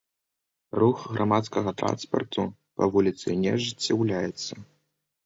Рух грамадскага транспарту па вуліцы не ажыццяўляецца.